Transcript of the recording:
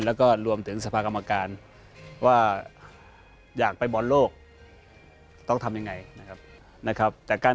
แล้วก็รวมถึงสภากรรมการ